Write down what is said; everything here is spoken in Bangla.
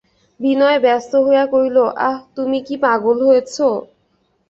বিনয় ব্যস্ত হইয়া কহিল, আঃ, তুমি কি পাগল হয়েছ?